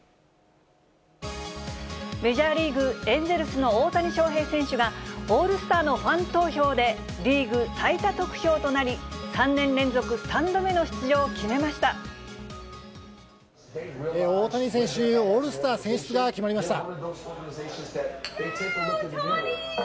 メジャーリーグ・エンゼルスの大谷翔平選手が、オールスターのファン投票でリーグ最多得票となり、３年連続３度大谷選手、オールスター選出が決まりました。